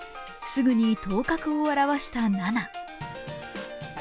すぐに頭角を現した菜那。